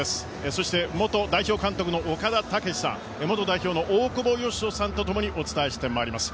そして元代表監督の岡田武史さんと元代表の大久保嘉人さんと一緒にお伝えしてまいります。